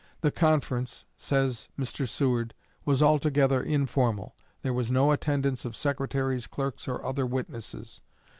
The conference, says Mr. Seward, "was altogether informal. There was no attendance of secretaries, clerks, or other witnesses.